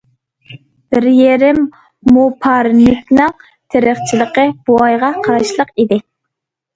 بىر يېرىم مو پارنىكىنىڭ تېرىقچىلىقى بوۋايغا قاراشلىق ئىدى.